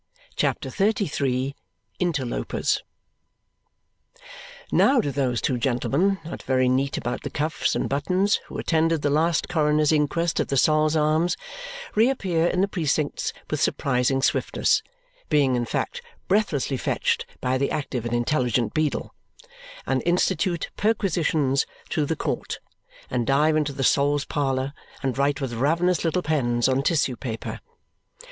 CHAPTER XXXIII Interlopers Now do those two gentlemen not very neat about the cuffs and buttons who attended the last coroner's inquest at the Sol's Arms reappear in the precincts with surprising swiftness (being, in fact, breathlessly fetched by the active and intelligent beadle), and institute perquisitions through the court, and dive into the Sol's parlour, and write with ravenous little pens on tissue paper.